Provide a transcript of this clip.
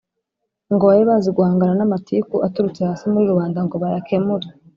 ngo babe bazi guhangana n' amatiku aturutse hasi muri rubanda ngo bayakemure.